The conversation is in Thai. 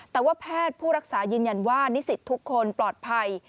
แต่ว่าแพทย์ผู้รักษายืนยันว่านิสิตทุกคนปลอดภัย